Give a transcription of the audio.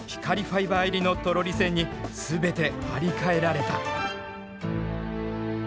ファイバー入りのトロリ線に全て張り替えられた。